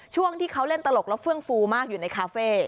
ช่วงที่เขาเล่นตลกแล้วเฟื่องฟูมากอยู่ในคาเฟ่